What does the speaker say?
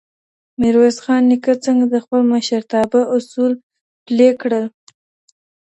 ميرويس خان نيکه څنګه د خپل مشرتابه اصول پلي کړل؟